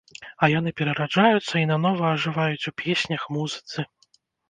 А яны перараджаюцца і нанова ажываюць у песнях, музыцы.